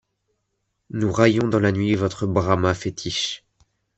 Nous raillons dans la nuit votre Brahma fétiche